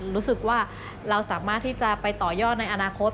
รู้สึกว่าเราสามารถที่จะไปต่อยอดในอนาคต